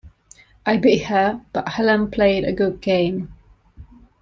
I beat her, but Helen played a good game.